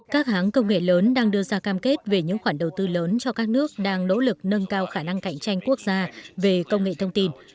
các hãng công nghệ lớn đang đưa ra cam kết về những khoản đầu tư lớn cho các nước đang nỗ lực nâng cao khả năng cạnh tranh quốc gia về công nghệ thông tin